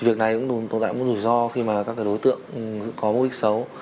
việc này cũng tồn tại một rủi ro khi mà các đối tượng có mục đích xấu